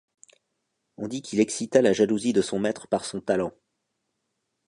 On dit qu'il excita la jalousie de son maître par son talent.